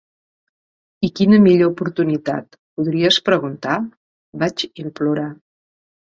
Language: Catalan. "I quina millor oportunitat, podries preguntar?" Vaig implorar.